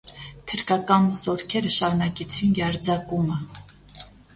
Թրքական զօրքերը շարունակեցին յարձակումը։